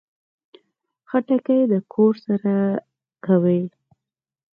خټکی د کور سړه کوي.